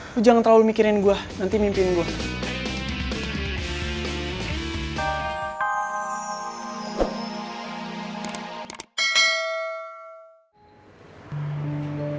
aku jangan terlalu mikirin gue nanti mimpiin gue